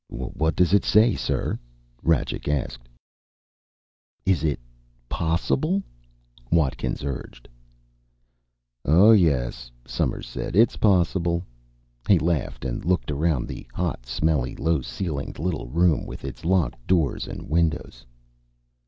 "What does it say, sir?" Rajcik asked. "Is it possible?" Watkins urged. "Oh, yes," Somers said. "It's possible." He laughed and looked around at the hot, smelly, low ceilinged little room with its locked doors and windows.